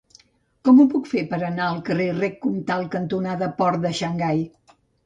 Com ho puc fer per anar al carrer Rec Comtal cantonada Port de Xangai?